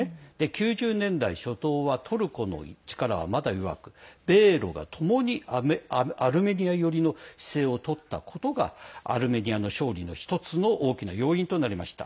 ９０年代初頭はトルコの力はまだ弱く米ロがともに、アルメニア寄りの姿勢をとったことがアルメニアの勝利の１つの大きな要因となりました。